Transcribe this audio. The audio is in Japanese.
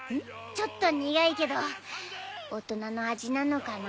ちょっと苦いけど大人の味なのかな。